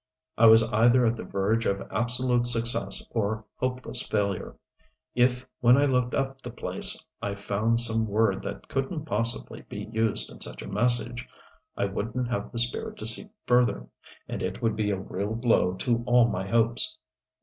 I was either at the verge of absolute success or hopeless failure. If when I looked up the place I found some word that couldn't possibly be used in such a message I wouldn't have the spirit to seek further. And it would be a real blow to all my hopes.